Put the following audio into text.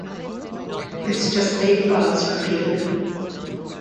It’s just eight bars repeated.